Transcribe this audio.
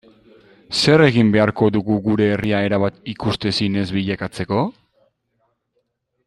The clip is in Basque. Zer egin beharko dugu gure herria erabat ikusezin ez bilakatzeko?